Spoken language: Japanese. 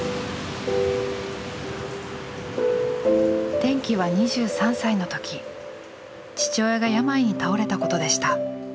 転機は２３歳のとき父親が病に倒れたことでした。